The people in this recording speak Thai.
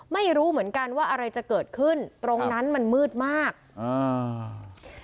ไม่รู้เหมือนกันว่าอะไรจะเกิดขึ้นตรงนั้นมันมืดมากอ่า